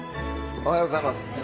おはようございます。